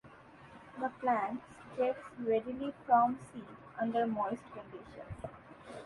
The plant spreads readily from seed under moist conditions.